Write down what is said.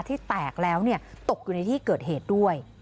ที่แตกแล้วตกอยู่ในที่เกิดเหตุด้วย